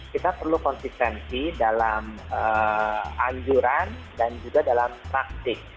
kita perlu konsistensi dalam anjuran dan juga dalam praktik